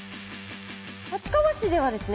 立川市ではですね